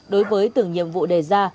đối với từng nhiệm vụ đề ra